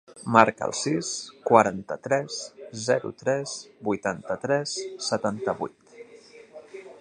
Marca el sis, quaranta-tres, zero, tres, vuitanta-tres, setanta-vuit.